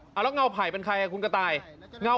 หรอผู้หญิงเป็นคนเช่ากับ